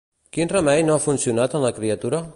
Quin remei no ha funcionat en la criatura?